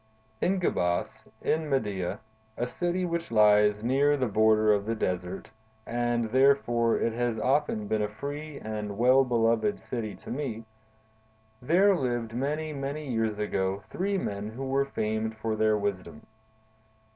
"In Gebas, in Media, a city which lies near the border of the desert—and, therefore, it has often been a free and well beloved city to me,—there lived, many, many years ago, three men who were famed for their wisdom.